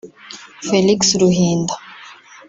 Felix Ruhinda